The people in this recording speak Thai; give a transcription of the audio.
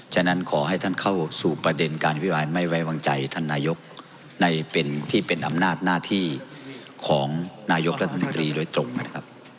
ฉะนั้นขอให้ท่านเข้าสู่ประเด็นการอภิปรายไม่ไว้วางใจท่านนายกในเป็นที่เป็นอำนาจหน้าที่ของนายกรัฐมนตรีโดยตรงนะครับ